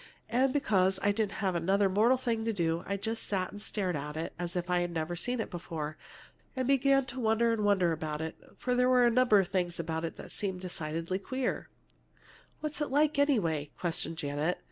And because I didn't have another mortal thing to do, I just sat and stared at it as if I'd never seen it before, and began to wonder and wonder about it. For there were a number of things about it that seemed decidedly queer." "What's it like, anyway?" questioned Janet.